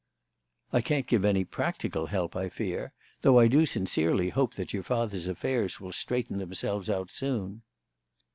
"I can't give any practical help, I fear, though I do sincerely hope that your father's affairs will straighten themselves out soon."